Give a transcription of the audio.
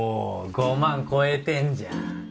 お５万超えてんじゃん